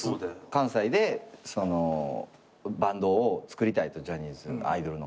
関西でそのバンドをつくりたいとジャニーズアイドルの。